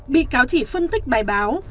bị cáo chỉ phân tích bài báo